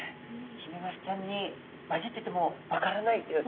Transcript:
ヒメマスちゃんに交じってても分からないっていう。